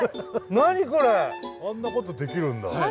あんなことできるんだ。